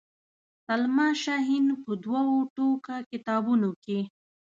سلما شاهین په دوو ټوکه کتابونو کې.